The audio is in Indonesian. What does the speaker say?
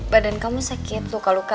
badan kamu sakit luka luka